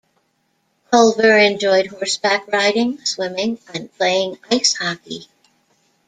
Culver enjoyed horseback riding, swimming, and playing ice hockey.